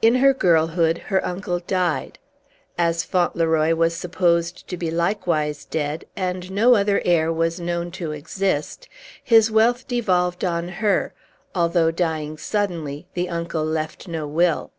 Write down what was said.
In her girlhood her uncle died. As Fauntleroy was supposed to be likewise dead, and no other heir was known to exist, his wealth devolved on her, although, dying suddenly, the uncle left no will.